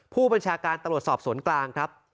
ผู้บัญชาการตำรวจสอบสวนกลางครับ